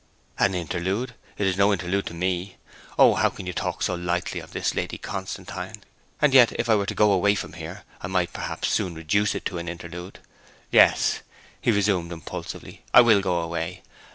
'An interlude! It is no interlude to me. O how can you talk so lightly of this, Lady Constantine? And yet, if I were to go away from here, I might, perhaps, soon reduce it to an interlude! Yes,' he resumed impulsively, 'I will go away.